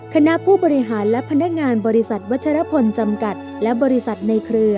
คณะผู้บริหารและพนักงานบริษัทวัชรพลจำกัดและบริษัทในเครือ